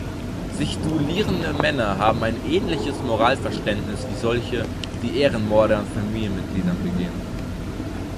Sich duellierende Männer haben ein ähnliches Moralverständnis wie solche, die Ehrenmorde an Familienmitgliedern begehen.